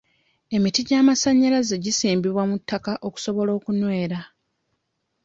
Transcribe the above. Emiti gy'amasannyalaze gisimbibwa mu ttaka okusobola okunywera.